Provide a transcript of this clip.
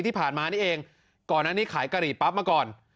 ที่ผ่านมานี่เองก่อนอันนี้ขายกะหรี่ปั๊บมาก่อน